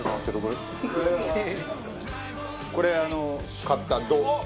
これ買った「ド」。